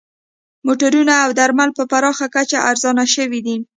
موټرونه او درمل په پراخه کچه ارزانه شوي دي